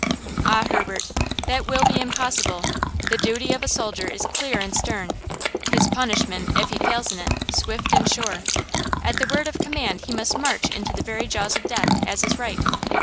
"Ah, Herbert, that will be impossible. The duty of a soldier is clear and stern; his punishment, if he fails in it, swift and sure. At the word of command he must march into the very jaws of death, as is right.